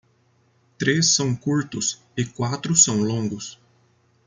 Três são curtos e quatro são longos.